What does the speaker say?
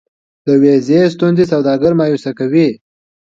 د ویزې ستونزې سوداګر مایوسه کوي.